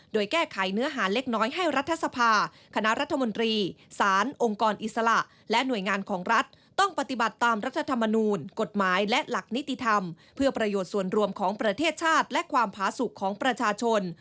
โดยแก้ไขเนื้อหาเล็กน้อยให้รัฐสภาคณะรัฐมนตรีสารองค์กรอิสระและหน่วยงานของรัฐต้องปฏิบัติตามรัฐธรรมนูลกฎหมายและหลักนิติธรรมเพื่อประโยชน์ส่วนรวมของประเทศชาติและความผาสุขของประชาชน